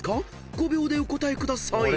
５秒でお答えください］